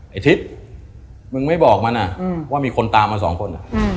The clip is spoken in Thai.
ไอ้ทิศมึงไม่บอกมันว่ามีคนตามมาสองคน